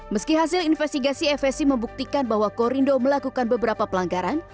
meski hasil investigasi fsc membuktikan bahwa korindo melakukan beberapa pelanggaran